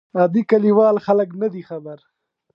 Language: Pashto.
عادي کلیوال خلک نه دي خبر.